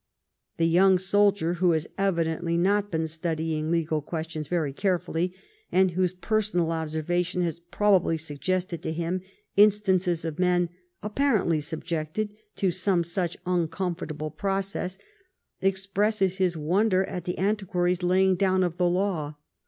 The young soldier, who has evidently not been studying legal questions very carefully, and whose personal observation has probably suggested to him in stances of men apparently subjected to some such un comfortable process, expresses his wonder at the An tiquary's laying down of the law.